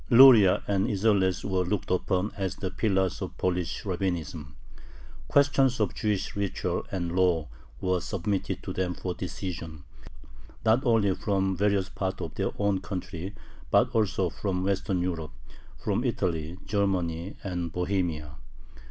Luria and Isserles were looked upon as the pillars of Polish rabbinism. Questions of Jewish ritual and law were submitted to them for decision, not only from various parts of their own country but also from Western Europe, from Italy, Germany, and Bohemia.